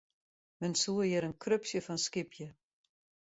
Men soe hjir in krupsje fan skypje.